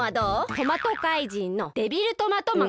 トマトかいじんのデビルトマトマン。